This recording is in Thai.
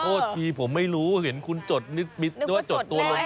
ขอโทษทีผมไม่รู้เห็นคุณจดนิดด้วยจดตัวลงไปเลย